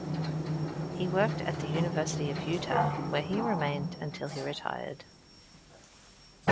He worked at the University of Utah, where he remained until he retired.